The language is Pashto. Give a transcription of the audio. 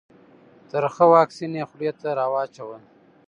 ترخه واکسین یې خولې ته راواچول.